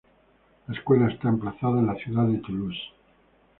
La escuela está emplazada en la ciudad de Toulouse.